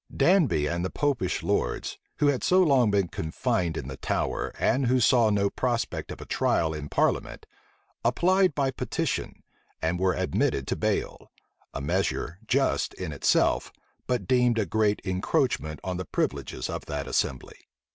Danby and the Popish lords, who had so long been confined in the Tower, and who saw no prospect of a trial in parliament, applied by petition, and were admitted to bail; a measure just in itself, but deemed a great encroachment on the privileges of that assembly.